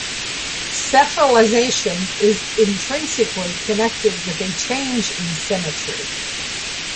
Cephalization is intrinsically connected with a change in symmetry.